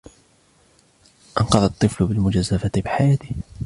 أنقذ الطفل بالمجازفة بحياته.